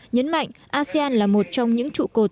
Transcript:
nhấn mạnh asean là một trong những trụ cột